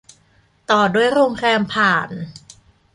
ต่อด้วยโรงแรมผ่าน